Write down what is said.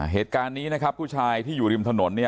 เหตุการณ์นี้นะครับผู้ชายที่อยู่ริมถนนเนี่ย